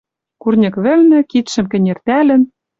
Курньык вӹлнӹ, кидшӹм кӹнертӓлӹн